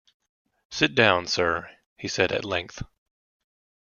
‘Sit down, sir,’ he said, at length.